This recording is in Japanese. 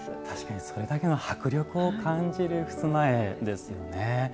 確かにそれだけの迫力を感じる襖絵ですよね。